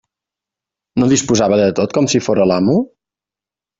No disposava de tot com si fóra l'amo?